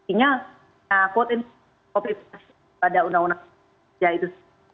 sehingga potensi kopi kopi pada undang undang kerja itu